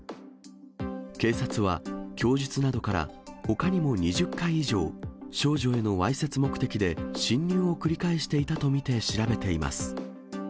警察は供述などから、ほかにも２０回以上、少女へのわいせつ目的で、侵入を繰り返していたと見て調べています。